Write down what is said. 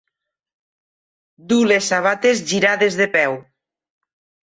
Dur les sabates girades de peu.